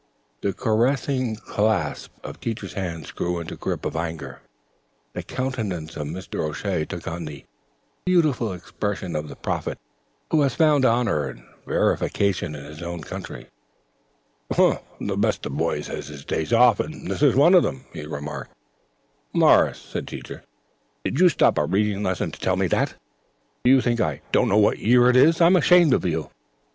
The caressing clasp of Teacher's hands grew into a grip of anger. The countenance of Mr. O'Shea took on the beautiful expression of the prophet who has found honor and verification in his own country. "The best of boys has his off days and this is one of them," he remarked. "Morris," said Teacher, "did you stop a reading lesson to tell me that? Do you think I don't know what the year is? I'm ashamed of you."